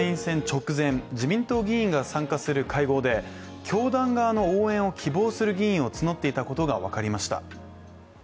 直前、自民党議員が参加する会合で教団側の応援を希望する議員を募っていたことが分かりました。